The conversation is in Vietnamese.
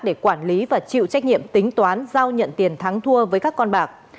để quản lý và chịu trách nhiệm tính toán giao nhận tiền thắng thua với các con bạc